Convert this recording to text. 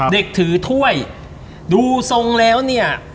ถือถ้วยดูทรงแล้วเนี่ย